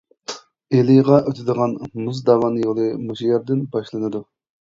ئىلىغا ئۆتىدىغان مۇز داۋان يولى مۇشۇ يەردىن باشلىنىدۇ.